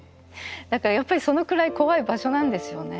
だからやっぱりそのくらい怖い場所なんですよね。